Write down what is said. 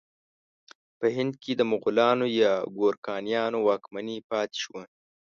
په هند کې د مغلانو یا ګورکانیانو واکمني پاتې شوه.